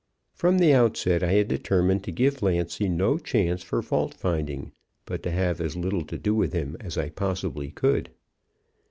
"From the outset I had determined to give Lancy no chance for fault finding, but to have as little to do with him as I possibly could.